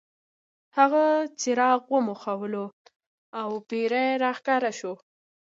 هغه څراغ وموښلو او پیری را ښکاره شو.